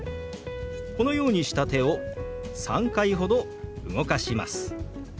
このようにした手を３回ほど動かします。